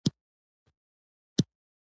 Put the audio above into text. دویم لوست